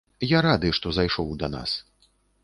Я рады, што зайшоў да нас.